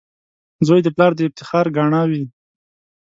• زوی د پلار د افتخار ګاڼه وي.